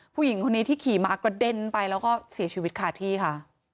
ผู้หญิงคนนี้ที่ขี่มากระเด็นไปแล้วก็เสียชีวิตคาที่ค่ะ